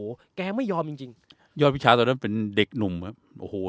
แกแกย้มไม่ยอมจริงจริงยอดพี่ชายตอนนั้นเป็นเด็กหนุ่มฮะโอ้โห